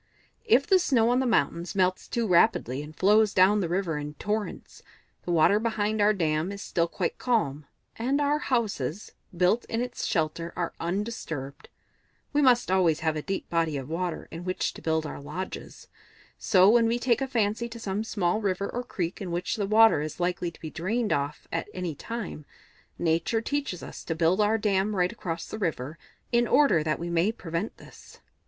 "If the snow on the mountains melts too rapidly, and flows down to the river in torrents, the water behind our dam is still quite calm, and our houses, built in its shelter, are undisturbed. We must always have a deep body of water in which to build our lodges; so when we take a fancy to some small river or creek in which the water is likely to be drained off at any time, Nature teaches us to build our dam right across the river, in order that we may prevent this."